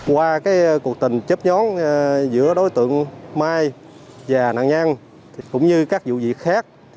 qua cuộc tình chấp nhóm giữa đối tượng mai và nạn nhân cũng như các vụ việc khác